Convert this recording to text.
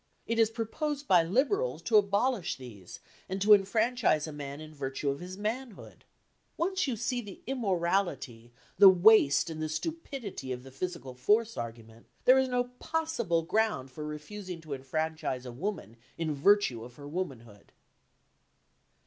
It is proposed by Liberals to abolish these and to enfranchise a man in virtue of his manhood. Once you see the immorality, the waste and the stupidity of the physical force argument, there is no possible ground for refusing to enfranchise a woman in virtue of her womanhood.